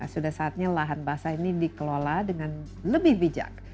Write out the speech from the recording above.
sudah saatnya lahan basah ini dikelola dengan lebih bijak